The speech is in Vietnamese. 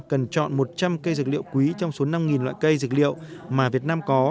cần chọn một trăm linh cây dược liệu quý trong số năm loại cây dược liệu mà việt nam có